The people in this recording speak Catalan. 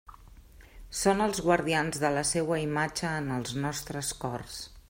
Són els guardians de la seua imatge en els nostres cors.